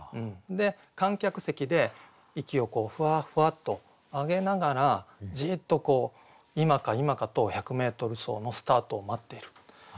観客席で息をふわふわっと上げながらじっと今か今かと１００メートル走のスタートを待っている。